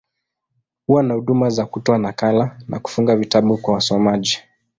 Huwa na huduma za kutoa nakala, na kufunga vitabu kwa wasomaji.